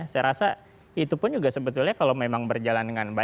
saya rasa itu pun juga sebetulnya kalau memang berjalan dengan baik